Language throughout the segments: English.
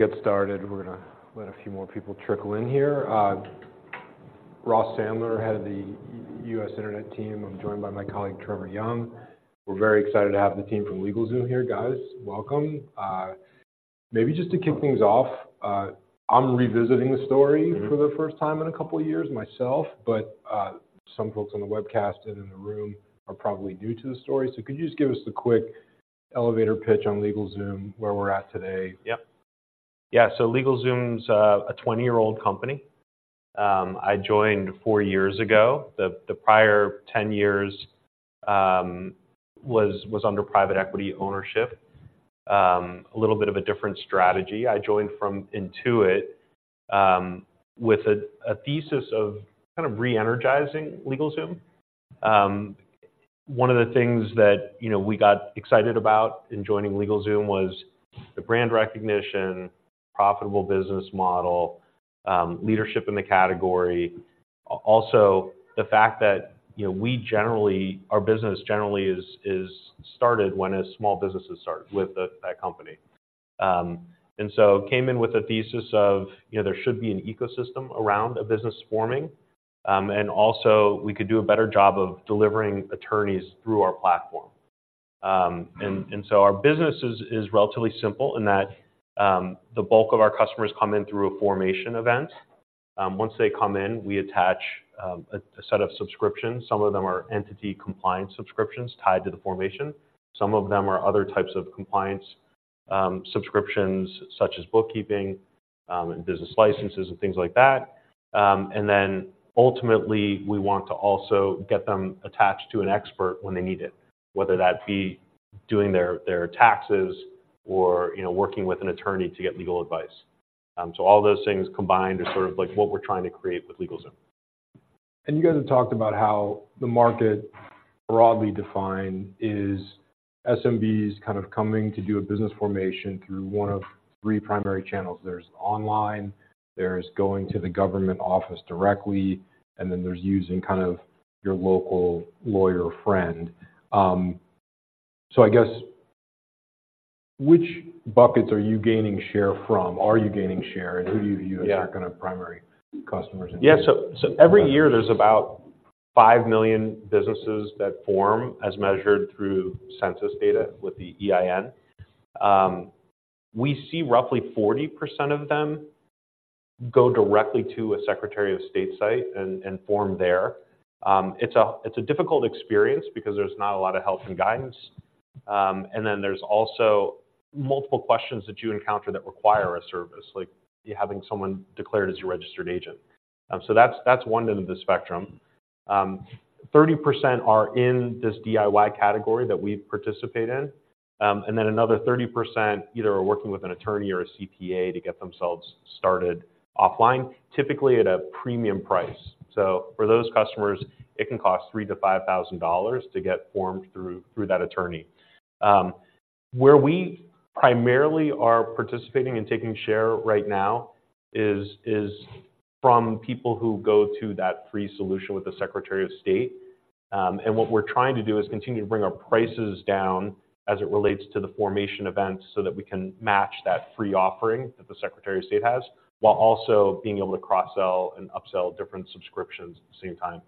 Get started. We're gonna let a few more people trickle in here. Ross Sandler, Head of the U.S. Internet team. I'm joined by my colleague, Trevor Young. We're very excited to have the team from LegalZoom here. Guys, welcome. Maybe just to kick things off, I'm revisiting the story- Mm-hmm. -for the first time in a couple of years myself, but, some folks on the webcast and in the room are probably new to the story. So could you just give us a quick elevator pitch on LegalZoom, where we're at today? Yep. Yeah, so LegalZoom's a 20-year-old company. I joined 4 years ago. The prior 10 years was under private equity ownership. A little bit of a different strategy. I joined from Intuit with a thesis of kind of re-energizing LegalZoom. One of the things that, you know, we got excited about in joining LegalZoom was the brand recognition, profitable business model, leadership in the category. Also, the fact that, you know, we generally—our business generally is started when a small business is started with that company. And so came in with a thesis of, you know, there should be an ecosystem around a business forming, and also we could do a better job of delivering attorneys through our platform. So our business is relatively simple in that the bulk of our customers come in through a formation event. Once they come in, we attach a set of subscriptions. Some of them are entity compliance subscriptions tied to the formation. Some of them are other types of compliance subscriptions, such as bookkeeping and business licenses and things like that. And then ultimately, we want to also get them attached to an expert when they need it, whether that be doing their taxes or, you know, working with an attorney to get legal advice. So all those things combined are sort of like what we're trying to create with LegalZoom. You guys have talked about how the market, broadly defined, is SMBs kind of coming to do a business formation through one of three primary channels. There's online, there's going to the government office directly, and then there's using kind of your local lawyer friend. So I guess, which buckets are you gaining share from? Are you gaining share, and who do you view- Yeah... as your kind of primary customers? Yeah, so every year there's about 5 million businesses that form, as measured through census data with the EIN. We see roughly 40% of them go directly to a Secretary of State site and form there. It's a difficult experience because there's not a lot of help and guidance. And then there's also multiple questions that you encounter that require a service, like you having someone declared as your registered agent. So that's one end of the spectrum. 30% are in this DIY category that we participate in. And then another 30% either are working with an attorney or a CPA to get themselves started offline, typically at a premium price. So for those customers, it can cost 3,000 to $5,000 to get formed through that attorney. Where we primarily are participating and taking share right now is from people who go to that free solution with the Secretary of State. And what we're trying to do is continue to bring our prices down as it relates to the formation events, so that we can match that free offering that the Secretary of State has, while also being able to cross-sell and upsell different subscriptions at the same time.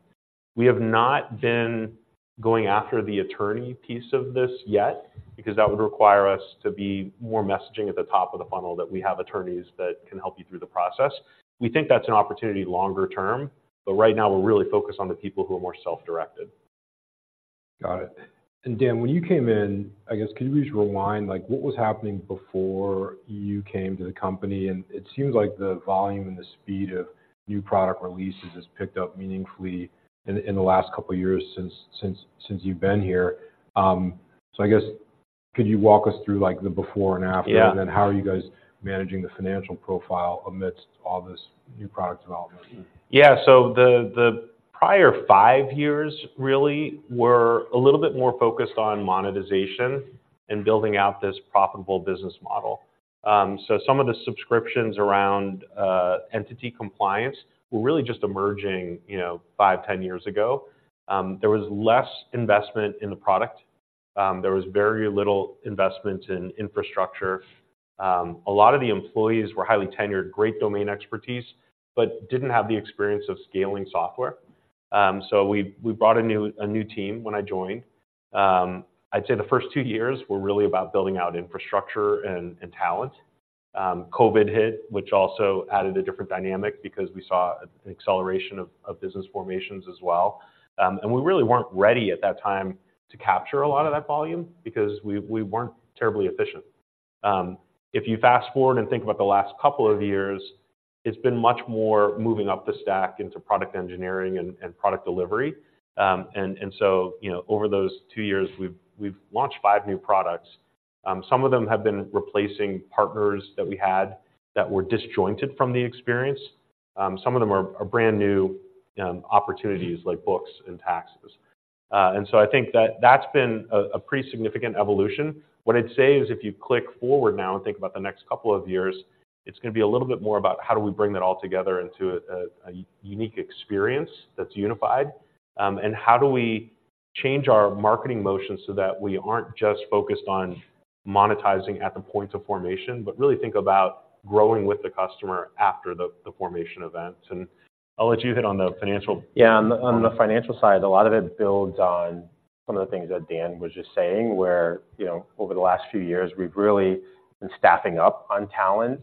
We have not been going after the attorney piece of this yet, because that would require us to be more messaging at the top of the funnel that we have attorneys that can help you through the process. We think that's an opportunity longer term, but right now we're really focused on the people who are more self-directed. Got it. And, Dan, when you came in, I guess, could you just rewind, like, what was happening before you came to the company? And it seems like the volume and the speed of new product releases has picked up meaningfully in the last couple of years since you've been here. So I guess could you walk us through, like, the before and after? Yeah. Then how are you guys managing the financial profile amidst all this new product development? Yeah. So the prior 5 years really were a little bit more focused on monetization and building out this profitable business model. So some of the subscriptions around entity compliance were really just emerging, you know, 5, 10 years ago. There was less investment in the product. There was very little investment in infrastructure. A lot of the employees were highly tenured, great domain expertise, but didn't have the experience of scaling software. So we brought a new team when I joined. I'd say the first 2 years were really about building out infrastructure and talent. COVID hit, which also added a different dynamic because we saw an acceleration of business formations as well. And we really weren't ready at that time to capture a lot of that volume because we weren't terribly efficient. If you fast-forward and think about the last couple of years, it's been much more moving up the stack into product engineering and product delivery. So, you know, over those two years, we've launched five new products. Some of them have been replacing partners that we had that were disjointed from the experience. Some of them are brand-new opportunities, like books and taxes. And so I think that that's been a pretty significant evolution. What I'd say is if you click forward now and think about the next couple of years, it's gonna be a little bit more about how do we bring that all together into a unique experience that's unified, and how do we-... change our marketing motion so that we aren't just focused on monetizing at the point of formation, but really think about growing with the customer after the formation event. And I'll let you hit on the financial- Yeah, on the financial side, a lot of it builds on some of the things that Dan was just saying, where, you know, over the last few years, we've really been staffing up on talent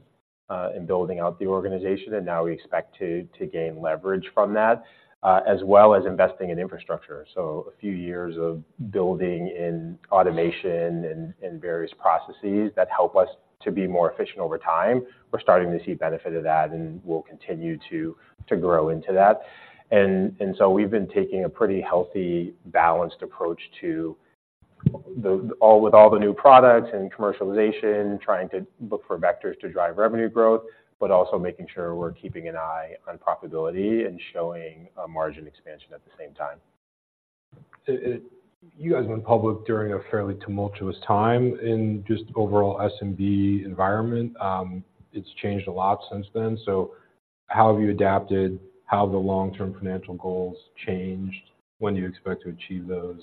and building out the organization, and now we expect to gain leverage from that, as well as investing in infrastructure. So a few years of building in automation and various processes that help us to be more efficient over time. We're starting to see benefit of that, and we'll continue to grow into that. And so we've been taking a pretty healthy, balanced approach to all with all the new products and commercialization, trying to look for vectors to drive revenue growth, but also making sure we're keeping an eye on profitability and showing a margin expansion at the same time. you guys went public during a fairly tumultuous time in just overall SMB environment. It's changed a lot since then. So how have you adapted? How have the long-term financial goals changed? When do you expect to achieve those?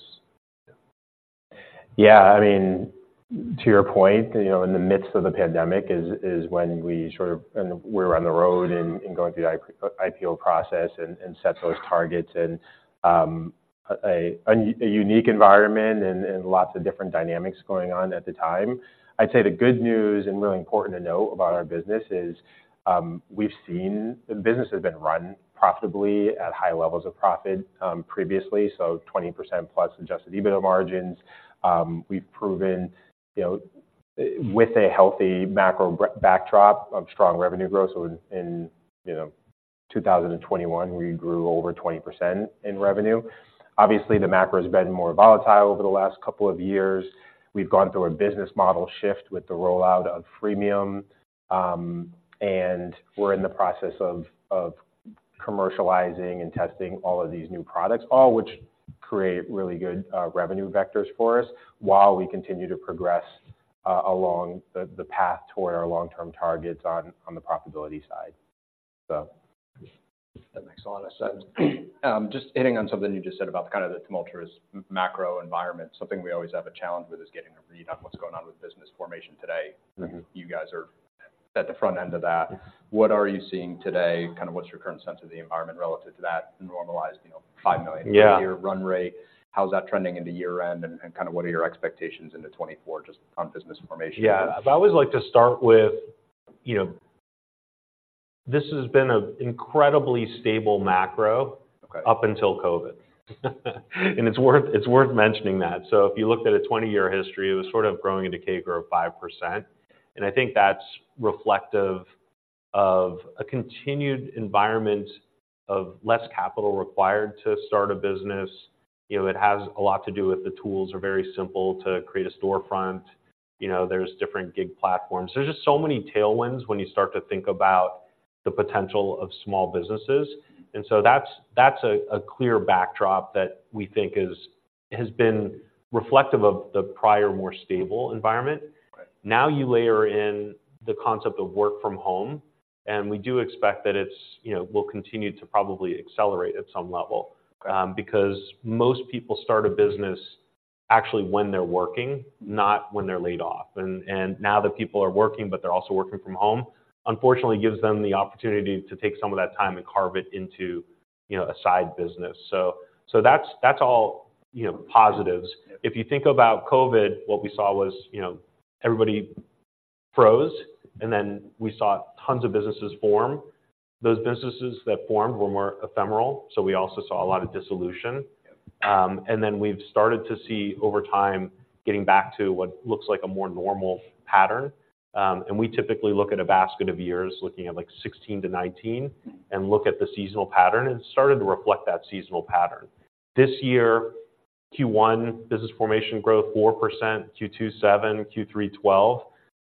Yeah, I mean, to your point, you know, in the midst of the pandemic is when we sort of and we were on the road and going through the IPO process and set those targets, and a unique environment and lots of different dynamics going on at the time. I'd say the good news, and really important to note about our business is, we've seen the business has been run profitably at high levels of profit, previously, so 20%+ Adjusted EBITDA margins. We've proven, you know, with a healthy macro backdrop of strong revenue growth. So in, you know, 2021, we grew over 20% in revenue. Obviously, the macro has been more volatile over the last couple of years. We've gone through a business model shift with the rollout of freemium, and we're in the process of commercializing and testing all of these new products, all which create really good revenue vectors for us while we continue to progress along the path toward our long-term targets on the profitability side. So- That makes a lot of sense. Just hitting on something you just said about the kind of tumultuous macro environment. Something we always have a challenge with is getting a read on what's going on with business formation today. Mm-hmm. You guys are at the front end of that. What are you seeing today? Kind of what's your current sense of the environment relative to that normalized, you know, 5 million- Yeah -a year run rate? How's that trending into year-end, and, and kind of what are your expectations into 2024 just on business formation? Yeah. I always like to start with, you know, this has been an incredibly stable macro- Okay... up until COVID. It's worth, it's worth mentioning that. If you looked at a 20-year history, it was sort of growing at a CAGR of 5%, and I think that's reflective of a continued environment of less capital required to start a business. You know, it has a lot to do with the tools are very simple to create a storefront. You know, there's different gig platforms. There's just so many tailwinds when you start to think about the potential of small businesses, and so that's, that's a, a clear backdrop that we think has been reflective of the prior, more stable environment. Right. Now, you layer in the concept of work from home, and we do expect that it's, you know, will continue to probably accelerate at some level. Because most people start a business actually when they're working, not when they're laid off. And now that people are working, but they're also working from home, unfortunately, gives them the opportunity to take some of that time and carve it into, you know, a side business. So that's all, you know, positives. Yeah. If you think about COVID, what we saw was, you know, everybody froze, and then we saw tons of businesses form. Those businesses that formed were more ephemeral, so we also saw a lot of dissolution. Yeah. Then we've started to see over time, getting back to what looks like a more normal pattern. We typically look at a basket of years, looking at, like, 2016 to 2019, and look at the seasonal pattern, and it's starting to reflect that seasonal pattern. This year, Q1, business formation growth, 4%, Q2, 7%, Q3, 12%.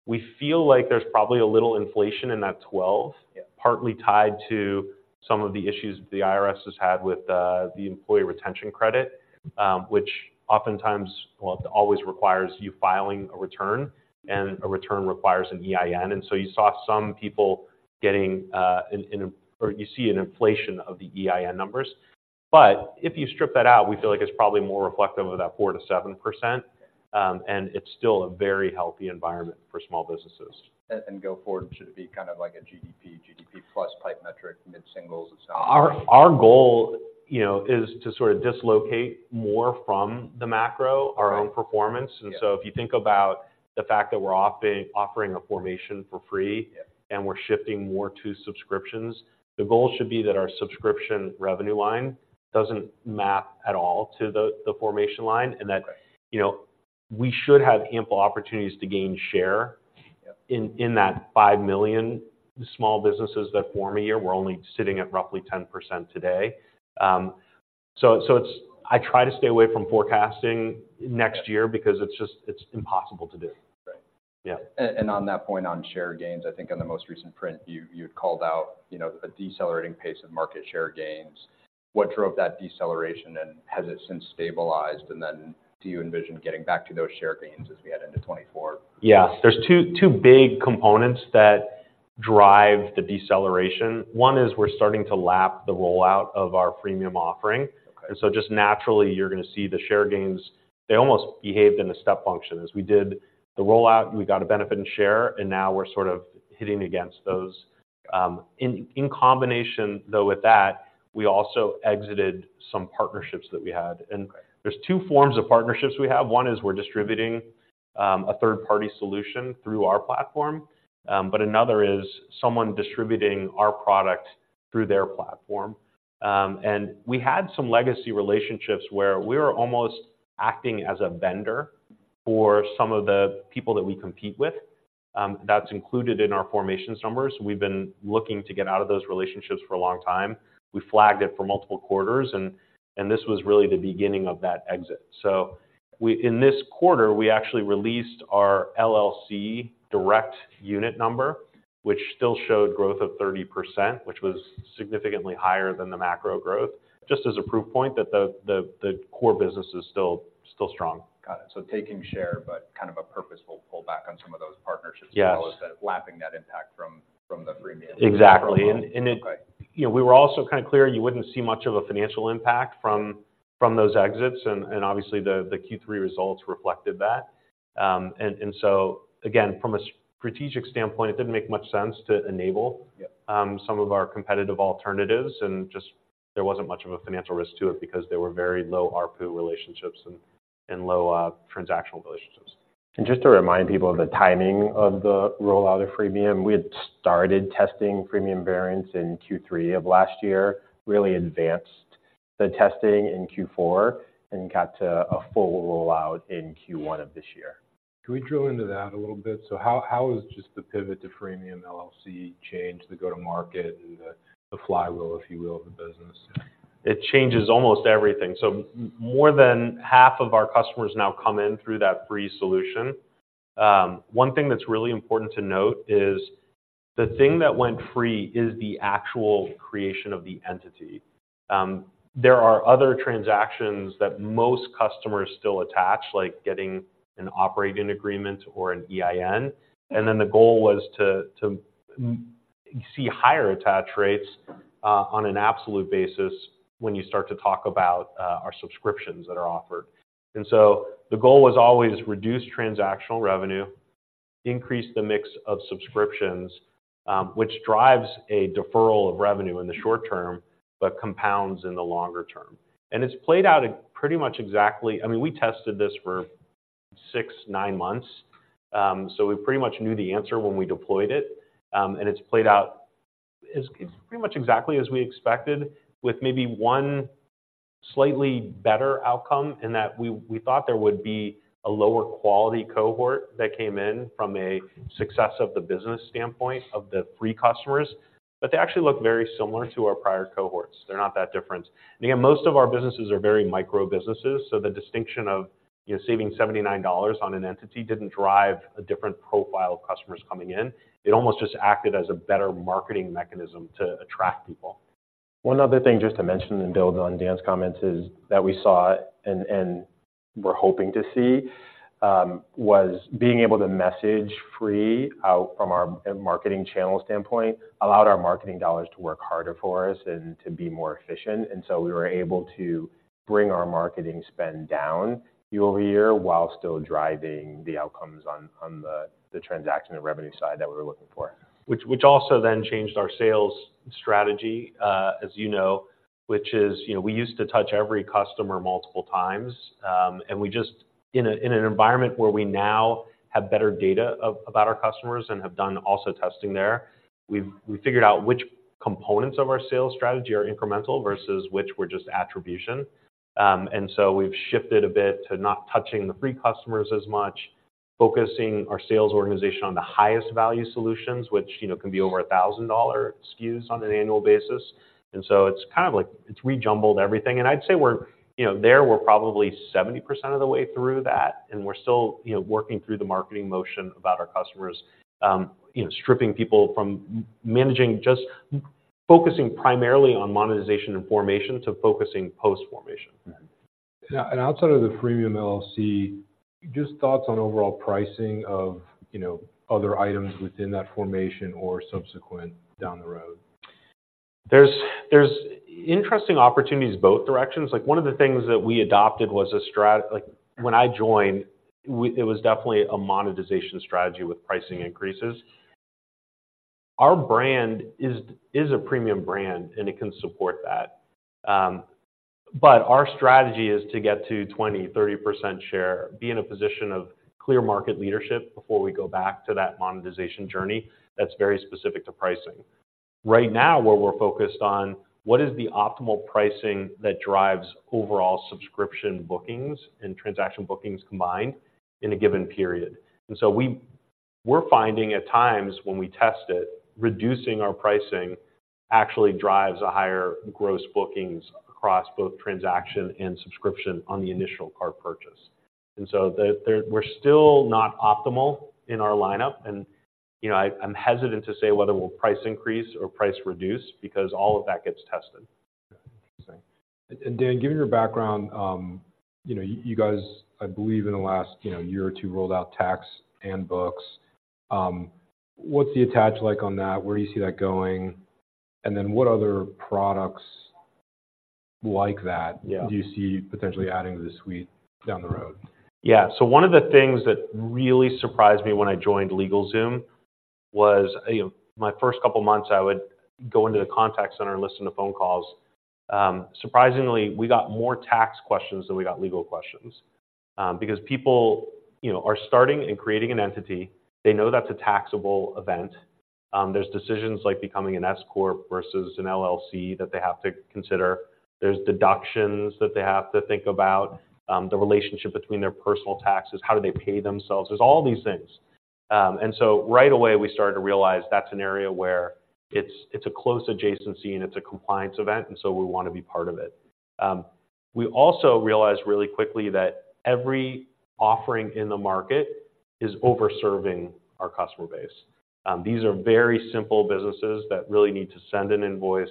We feel like there's probably a little inflation in that 12- Yeah... partly tied to some of the issues the IRS has had with the Employee Retention Credit, which oftentimes, well, always requires you filing a return, and a return requires an EIN. And so you saw some people getting, or you see an inflation of the EIN numbers. But if you strip that out, we feel like it's probably more reflective of that 4% to 7%, and it's still a very healthy environment for small businesses. Going forward, should it be kind of like a GDP, GDP-plus type metric, mid-singles and so on? Our goal, you know, is to sort of dislocate more from the macro. Right... our own performance. Yeah. And so if you think about the fact that we're offering a formation for free- Yeah... and we're shifting more to subscriptions, the goal should be that our subscription revenue line doesn't map at all to the formation line, and that- Right... you know, we should have ample opportunities to gain share- Yeah... in that 5 million small businesses that form a year, we're only sitting at roughly 10% today. So it's - I try to stay away from forecasting next year- Yeah... because it's just, it's impossible to do. Right. Yeah. And on that point, on share gains, I think on the most recent print, you had called out, you know, a decelerating pace of market share gains. What drove that deceleration, and has it since stabilized? And then do you envision getting back to those share gains as we head into 2024? Yeah. There's two big components that drive the deceleration. One is we're starting to lap the rollout of our freemium offering. Okay. So just naturally, you're gonna see the share gains. They almost behaved in a step function. As we did the rollout, we got a benefit in share, and now we're sort of hitting against those. In combination, though, with that, we also exited some partnerships that we had. Okay. There's 2 forms of partnerships we have. One is we're distributing a third-party solution through our platform, but another is someone distributing our product through their platform. And we had some legacy relationships where we were almost acting as a vendor for some of the people that we compete with. That's included in our formations numbers. We've been looking to get out of those relationships for a long time. We flagged it for multiple quarters, and this was really the beginning of that exit. So, in this quarter, we actually released our LLC direct unit number, which still showed growth of 30%, which was significantly higher than the macro growth. Just as a proof point, that the core business is still strong. Got it. So taking share, but kind of a purposeful pullback on some of those partnerships- Yes. -as well as the lapping net impact from the Freemium. Exactly. And it- Okay. You know, we were also kind of clear you wouldn't see much of a financial impact from those exits, and obviously, the Q3 results reflected that. And so again, from a strategic standpoint, it didn't make much sense to enable- Yeah... some of our competitive alternatives, and just there wasn't much of a financial risk to it because they were very low ARPU relationships and low transactional relationships. Just to remind people of the timing of the rollout of Freemium, we had started testing Freemium variants in Q3 of last year, really advanced the testing in Q4, and got to a full rollout in Q1 of this year. Can we drill into that a little bit? So how, how is just the pivot to freemium LLC change the go-to-market and the, the flywheel, if you will, of the business? It changes almost everything. So more than half of our customers now come in through that free solution. One thing that's really important to note is the thing that went free is the actual creation of the entity. There are other transactions that most customers still attach, like getting an operating agreement or an EIN. And then the goal was to see higher attach rates on an absolute basis when you start to talk about our subscriptions that are offered. And so the goal was always reduce transactional revenue, increase the mix of subscriptions, which drives a deferral of revenue in the short term, but compounds in the longer term. And it's played out in pretty much exactly... I mean, we tested this for 6-9 months, so we pretty much knew the answer when we deployed it. And it's played out as pretty much exactly as we expected, with maybe one slightly better outcome, in that we thought there would be a lower quality cohort that came in from a success of the business standpoint of the free customers, but they actually look very similar to our prior cohorts. They're not that different. And again, most of our businesses are very micro businesses, so the distinction of, you know, saving $79 on an entity didn't drive a different profile of customers coming in. It almost just acted as a better marketing mechanism to attract people. One other thing just to mention and build on Dan's comments is that we saw, and we're hoping to see, was being able to message free out from our marketing channel standpoint, allowed our marketing dollars to work harder for us and to be more efficient, and so we were able to bring our marketing spend down year-over-year, while still driving the outcomes on the transaction and revenue side that we were looking for. Which also then changed our sales strategy, as you know, which is, you know, we used to touch every customer multiple times. And we just in an environment where we now have better data about our customers and have done also testing there, we've figured out which components of our sales strategy are incremental versus which were just attribution. And so we've shifted a bit to not touching the free customers as much, focusing our sales organization on the highest value solutions, which, you know, can be over $1,000 SKUs on an annual basis. And so it's kind of like it's rejumbled everything, and I'd say we're, you know, probably 70% of the way through that, and we're still, you know, working through the marketing motion about our customers, you know, stripping people from managing... Just focusing primarily on monetization and formation to focusing post-formation. Yeah. And outside of the freemium LLC, just thoughts on overall pricing of, you know, other items within that formation or subsequent down the road? There's interesting opportunities both directions. Like, one of the things that we adopted was a—like, when I joined, it was definitely a monetization strategy with pricing increases. Our brand is a premium brand, and it can support that. But our strategy is to get to 20% to 30% share, be in a position of clear market leadership before we go back to that monetization journey. That's very specific to pricing. Right now, where we're focused on, what is the optimal pricing that drives overall subscription bookings and transaction bookings combined in a given period? And so we're finding, at times, when we test it, reducing our pricing actually drives a higher gross bookings across both transaction and subscription on the initial cart purchase. So we're still not optimal in our lineup and, you know, I'm hesitant to say whether we'll price increase or price reduce, because all of that gets tested.... Dan, given your background, you know, you guys, I believe in the last, you know, year or two, rolled out tax and books. What's the attach like on that? Where do you see that going? And then what other products like that- Yeah. Do you see potentially adding to the suite down the road? Yeah. So one of the things that really surprised me when I joined LegalZoom was, you know, my first couple of months, I would go into the contact center and listen to phone calls. Surprisingly, we got more tax questions than we got legal questions. Because people, you know, are starting and creating an entity, they know that's a taxable event. There's decisions like becoming an S Corp versus an LLC that they have to consider. There's deductions that they have to think about, the relationship between their personal taxes, how do they pay themselves? There's all these things. And so right away, we started to realize that's an area where it's, it's a close adjacency, and it's a compliance event, and so we want to be part of it. We also realized really quickly that every offering in the market is over-serving our customer base. These are very simple businesses that really need to send an invoice,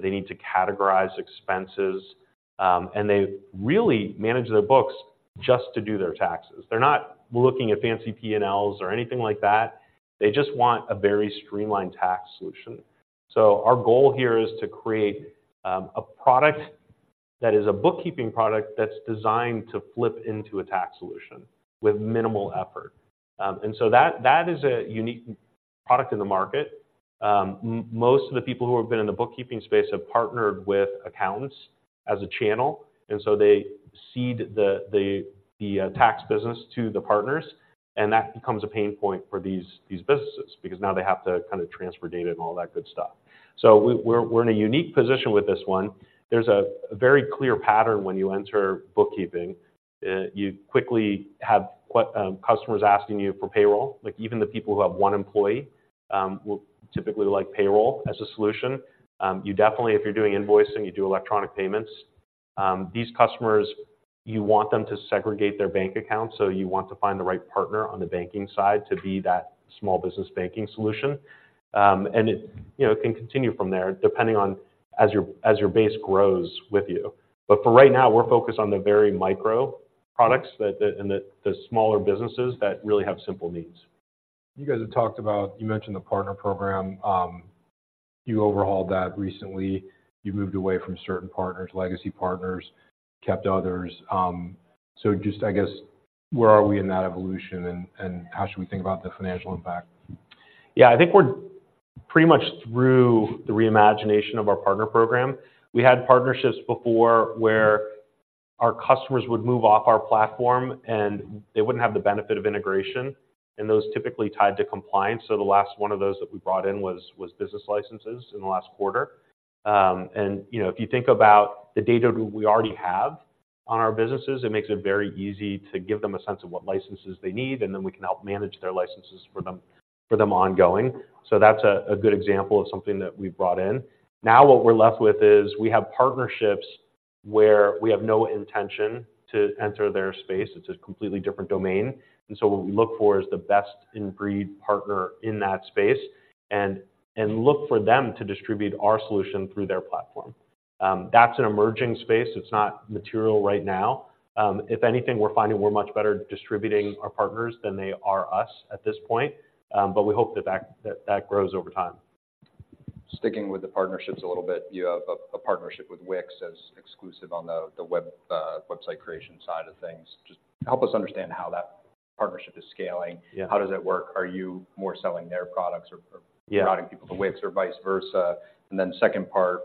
they need to categorize expenses, and they really manage their books just to do their taxes. They're not looking at fancy P&Ls or anything like that. They just want a very streamlined tax solution. So our goal here is to create a product that is a bookkeeping product that's designed to flip into a tax solution with minimal effort. And so that is a unique product in the market. Most of the people who have been in the bookkeeping space have partnered with accountants as a channel, and so they cede the tax business to the partners, and that becomes a pain point for these businesses because now they have to transfer data and all that good stuff. So we're in a unique position with this one. There's a very clear pattern when you enter bookkeeping. You quickly have customers asking you for payroll. Like, even the people who have one employee will typically like payroll as a solution. You definitely, if you're doing invoicing, you do electronic payments. These customers, you want them to segregate their bank accounts, so you want to find the right partner on the banking side to be that small business banking solution. And it, you know, it can continue from there, depending on as your base grows with you. But for right now, we're focused on the very micro products that—and the smaller businesses that really have simple needs. You guys have talked about. You mentioned the partner program. You overhauled that recently. You moved away from certain partners, legacy partners, kept others. So just, I guess, where are we in that evolution, and, and how should we think about the financial impact? Yeah, I think we're pretty much through the reimagination of our partner program. We had partnerships before where our customers would move off our platform, and they wouldn't have the benefit of integration, and those typically tied to compliance. So the last one of those that we brought in was business licenses in the last quarter. And, you know, if you think about the data we already have on our businesses, it makes it very easy to give them a sense of what licenses they need, and then we can help manage their licenses for them ongoing. So that's a good example of something that we've brought in. Now, what we're left with is we have partnerships where we have no intention to enter their space. It's a completely different domain, and so what we look for is the best-in-breed partner in that space, and look for them to distribute our solution through their platform. That's an emerging space. It's not material right now. If anything, we're finding we're much better distributing our partners than they are us at this point, but we hope that that grows over time. Sticking with the partnerships a little bit, you have a partnership with Wix as exclusive on the web, website creation side of things. Just help us understand how that partnership is scaling? Yeah. How does it work? Are you more selling their products or- Yeah... routing people to Wix or vice versa? And then second part,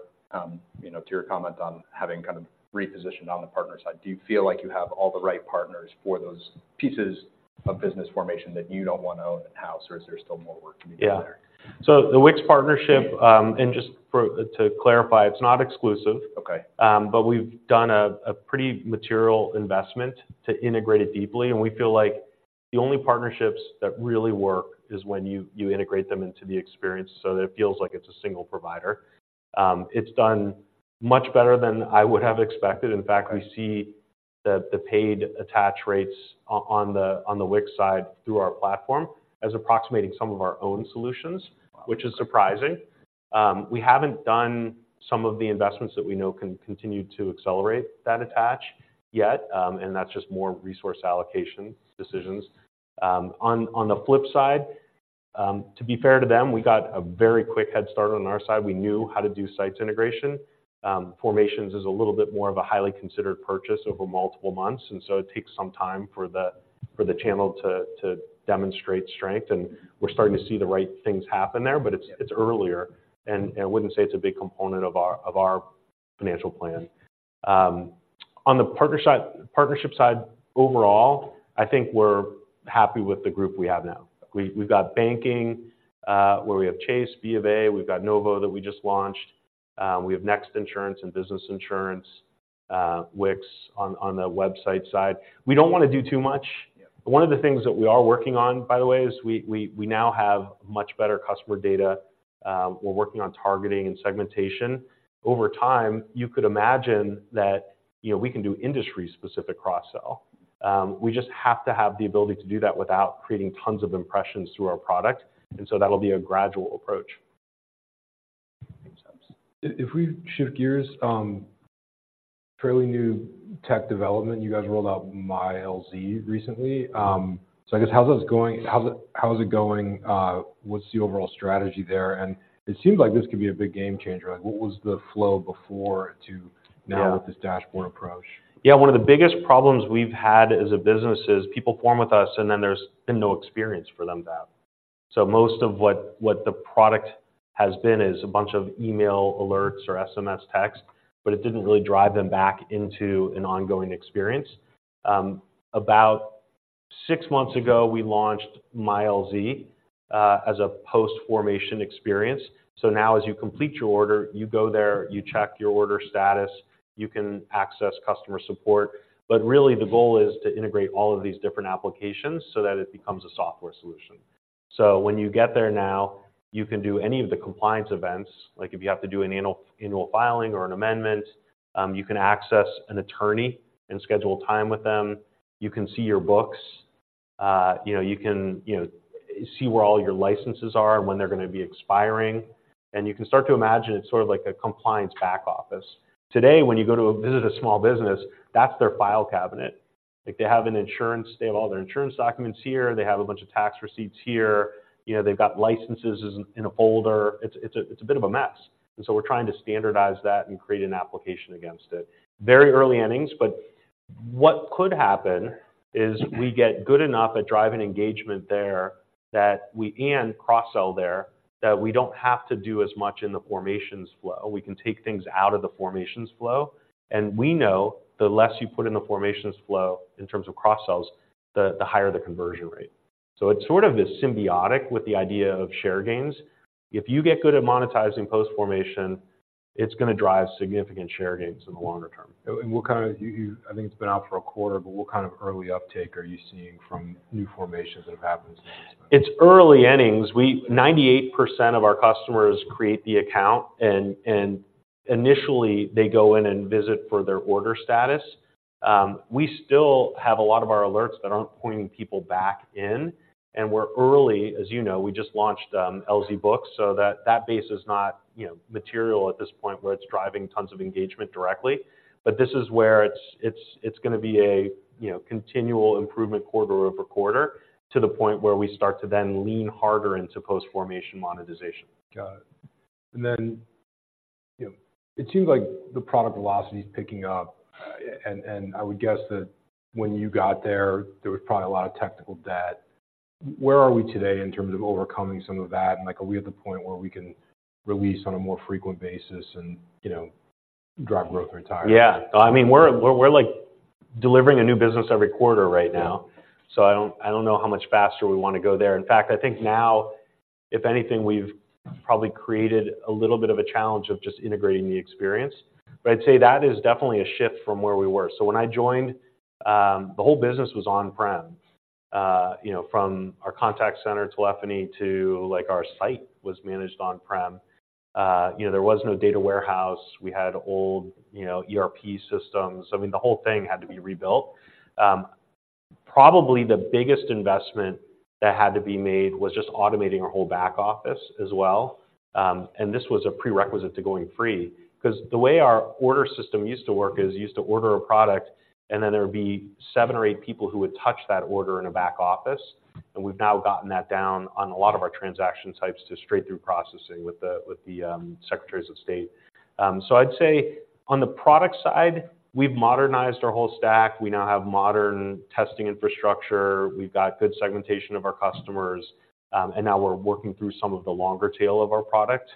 you know, to your comment on having kind of repositioned on the partner side, do you feel like you have all the right partners for those pieces of business formation that you don't want to own in-house, or is there still more work to be done there? Yeah. So the Wix partnership, and just to clarify, it's not exclusive. Okay. But we've done a pretty material investment to integrate it deeply, and we feel like the only partnerships that really work is when you integrate them into the experience so that it feels like it's a single provider. It's done much better than I would have expected. Right. In fact, we see the paid attach rates on the Wix side through our platform as approximating some of our own solutions- Wow! -which is surprising. We haven't done some of the investments that we know can continue to accelerate that attach yet, and that's just more resource allocation decisions. On the flip side, to be fair to them, we got a very quick head start on our side. We knew how to do Stripe's integration. Formations is a little bit more of a highly considered purchase over multiple months, and so it takes some time for the channel to demonstrate strength, and we're starting to see the right things happen there, but it's- Yeah... it's earlier, and I wouldn't say it's a big component of our financial plan. On the partnership side, overall, I think we're happy with the group we have now. We've got banking, where we have Chase, B of A, we've got Novo that we just launched. We have Next Insurance and Business Insurance, Wix on the website side. We don't want to do too much. Yeah. One of the things that we are working on, by the way, is we now have much better customer data. We're working on targeting and segmentation. Over time, you could imagine that, you know, we can do industry-specific cross-sell. We just have to have the ability to do that without creating tons of impressions through our product, and so that'll be a gradual approach. ...If we shift gears, fairly new tech development, you guys rolled out MyLZ recently. So I guess how's this going? How's it, how is it going? What's the overall strategy there? And it seems like this could be a big game changer. Like, what was the flow before to now with this dashboard approach? Yeah, one of the biggest problems we've had as a business is people form with us, and then there's been no experience for them to have. So most of what the product has been is a bunch of email alerts or SMS texts, but it didn't really drive them back into an ongoing experience. About six months ago, we launched MyLZ as a post-formation experience. So now as you complete your order, you go there, you check your order status, you can access customer support. But really, the goal is to integrate all of these different applications so that it becomes a software solution. So when you get there now, you can do any of the compliance events, like if you have to do an annual filing or an amendment, you can access an attorney and schedule time with them. You can see your books, you know, you can see where all your licenses are and when they're going to be expiring. You can start to imagine it's sort of like a compliance back office. Today, when you go to visit a small business, that's their file cabinet. Like, they have all their insurance documents here, they have a bunch of tax receipts here, you know, they've got licenses in a folder. It's a bit of a mess, and so we're trying to standardize that and create an application against it. Very early innings, but what could happen is we get good enough at driving engagement there and cross-sell there that we don't have to do as much in the formations flow. We can take things out of the formations flow, and we know the less you put in the formations flow in terms of cross-sells, the higher the conversion rate. So it's sort of this symbiotic with the idea of share gains. If you get good at monetizing post-formation, it's going to drive significant share gains in the longer term. And what kind of uptake, I think it's been out for a quarter, but what kind of early uptake are you seeing from new formations that have happened since then? It's early innings. 98% of our customers create the account, and initially, they go in and visit for their order status. We still have a lot of our alerts that aren't pointing people back in, and we're early. As you know, we just launched LZ Books, so that base is not, you know, material at this point where it's driving tons of engagement directly. But this is where it's going to be a, you know, continual improvement quarter-over-quarter, to the point where we start to then lean harder into post-formation monetization. Got it. And then, you know, it seems like the product velocity is picking up. And I would guess that when you got there, there was probably a lot of technical debt. Where are we today in terms of overcoming some of that? And, like, are we at the point where we can release on a more frequent basis and, you know, drive growth entirely? Yeah. I mean, we're, like, delivering a new business every quarter right now, so I don't know how much faster we want to go there. In fact, I think now, if anything, we've probably created a little bit of a challenge of just integrating the experience. But I'd say that is definitely a shift from where we were. So when I joined, the whole business was on-prem, you know, from our contact center telephony to, like, our site was managed on-prem. You know, there was no data warehouse. We had old, you know, ERP systems. I mean, the whole thing had to be rebuilt. Probably the biggest investment that had to be made was just automating our whole back office as well. This was a prerequisite to going free, 'cause the way our order system used to work is, you used to order a product, and then there would be seven or eight people who would touch that order in a back office, and we've now gotten that down on a lot of our transaction types to straight-through processing with the secretaries of state. I'd say on the product side, we've modernized our whole stack. We now have modern testing infrastructure, we've got good segmentation of our customers, and now we're working through some of the longer tail of our product.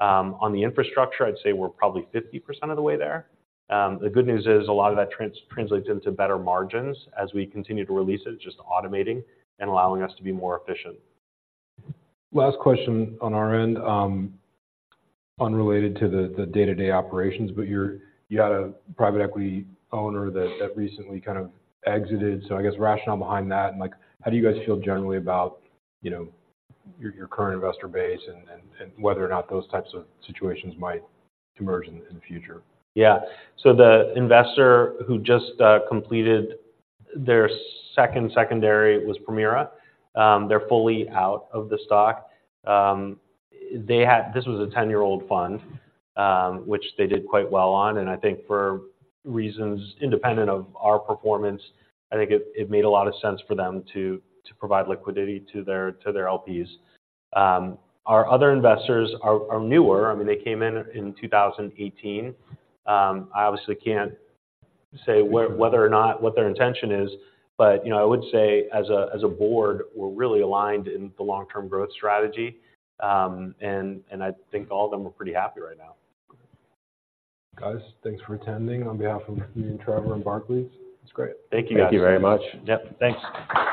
On the infrastructure, I'd say we're probably 50% of the way there. The good news is, a lot of that translates into better margins. As we continue to release it, it's just automating and allowing us to be more efficient. Last question on our end, unrelated to the day-to-day operations, but you had a private equity owner that recently kind of exited. So I guess rationale behind that, and, like, how do you guys feel generally about, you know, your current investor base and whether or not those types of situations might emerge in the future? Yeah. So the investor who just completed their second secondary was Permira. They're fully out of the stock. They had... This was a 10-year-old fund, which they did quite well on, and I think for reasons independent of our performance, I think it made a lot of sense for them to provide liquidity to their LPs. Our other investors are newer. I mean, they came in in 2018. I obviously can't say whether or not what their intention is, but you know, I would say as a board, we're really aligned in the long-term growth strategy. And I think all of them are pretty happy right now. Guys, thanks for attending on behalf of me and Trevor and Barclays. It's great. Thank you, guys. Thank you very much. Yep, thanks.